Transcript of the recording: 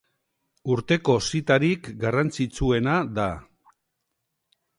Urteko zitarik garrantzitsuena da.